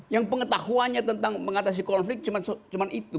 yang pengetahuannya tentang mengatasi konflik cuma itu